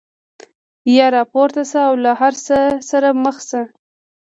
یا راپورته شه او له هر څه سره مخ شه.